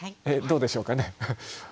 どうでしょうかね。